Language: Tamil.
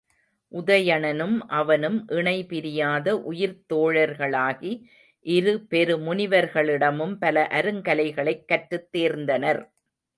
உதயணனும் அவனும் இணை பிரியாத உயிர்த் தோழர்களாகி இருபெரு முனிவர்களிடமும் பல அருங்கலைகளைக் கற்றுத் தேர்ந்தனர்.